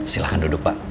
silahkan duduk pak